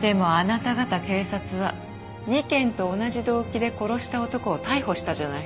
でもあなた方警察は２件と同じ動機で殺した男を逮捕したじゃない。